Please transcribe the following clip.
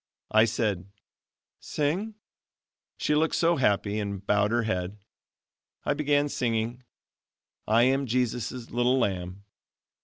I said "Sing?" She looked so happy and bowed her head. I began singing: "I am Jesus' little lamb."